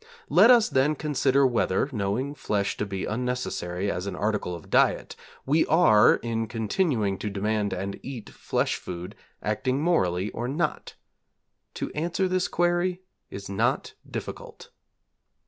Let us then consider whether, knowing flesh to be unnecessary as an article of diet, we are, in continuing to demand and eat flesh food, acting morally or not. To answer this query is not difficult.